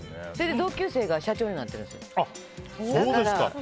同級生が社長になってるんですよ。